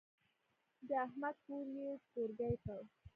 د احمد کور يې کورګی کړ.